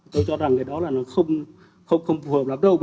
tôi cho rằng cái đó là nó không phù hợp lắm đâu